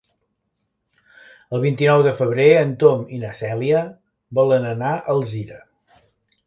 El vint-i-nou de febrer en Tom i na Cèlia volen anar a Alzira.